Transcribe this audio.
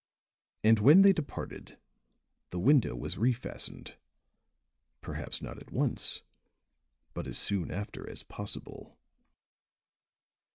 And when they departed, the window was refastened perhaps not at once, but as soon after as possible."